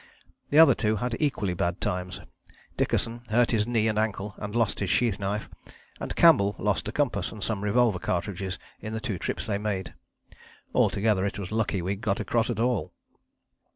The other two had equally bad times. Dickason hurt his knee and ankle and lost his sheath knife, and Campbell lost a compass and some revolver cartridges in the two trips they made. Altogether it was lucky we got across at all."